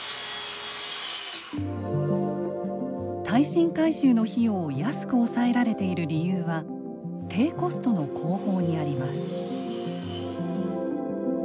耐震改修の費用を安く抑えられている理由は低コストの工法にあります。